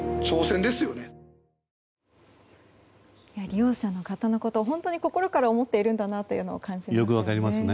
利用者の方のことを本当に心から思っているんだなというのを感じましたね。